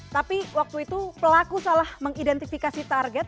tapi waktu itu pelaku salah mengidentifikasi target